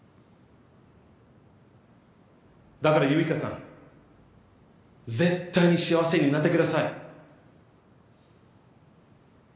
だから結花さん絶対に幸せになってください。